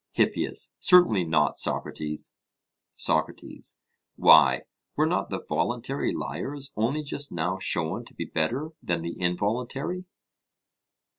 HIPPIAS: Certainly not, Socrates. SOCRATES: Why, were not the voluntary liars only just now shown to be better than the involuntary?